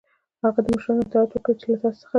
او د هغه مشرانو اطاعت وکړی چی له تاسی څخه دی .